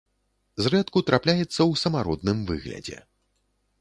Зрэдку трапляецца ў самародным выглядзе.